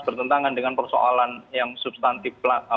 bertentangan dengan persoalan yang substantif